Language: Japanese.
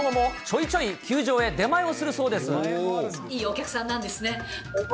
いいお客さんなんですね。